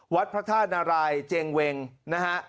วัดพระธาตุนารายเจงเวงนะฮะ